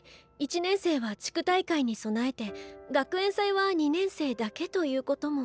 １年生は地区大会に備えて学園祭は２年生だけということも。